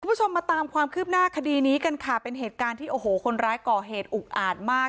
คุณผู้ชมมาตามความคืบหน้าคดีนี้กันค่ะเป็นเหตุการณ์ที่โอ้โหคนร้ายก่อเหตุอุกอาจมาก